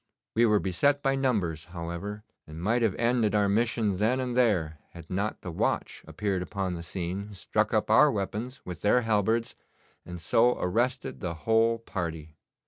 We were beset by numbers, however, and might have ended our mission then and there had not the watch appeared upon the scene, struck up our weapons with their halberds, and so arrested the whole party.